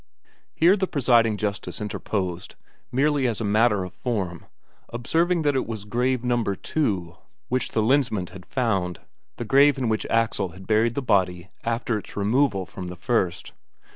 Here the presiding justice interposed, merely as a matter of form, observing that it was grave No. 2 which the Lensmand had found the grave in which Axel had buried the body after its removal from the first.